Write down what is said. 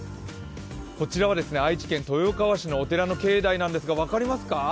こちらは愛知県豊川市のお寺の境内なんですが分かりますか？